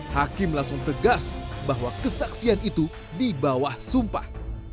hakim langsung tegas bahwa kesaksian itu dibawah sumpah